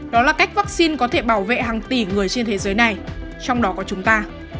đó là cách vaccine có thể bảo vệ hàng tỷ người trên thế giới này trong đó có chúng ta